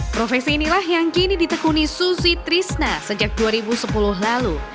profesi inilah yang kini ditekuni susi trisna sejak dua ribu sepuluh lalu